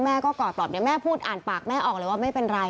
แม่ก็กอดปลอบเดี๋ยวแม่พูดอ่านปากแม่ออกเลยว่าไม่เป็นไร